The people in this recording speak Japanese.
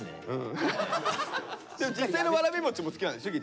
実際のわらび餅も好きなんでしょ？